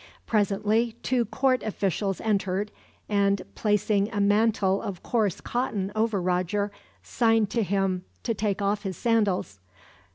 Presently two court officials entered and, placing a mantle of coarse cotton over Roger, signed to him to take off his sandals.